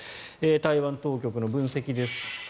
台湾当局の分析です。